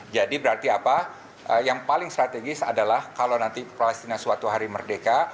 jadi berarti apa yang paling strategis adalah kalau nanti palestina suatu hari merdeka